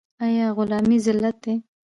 آیا غلامي ذلت دی؟